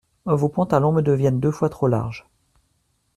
Vos pantalons me deviennent deux fois trop larges.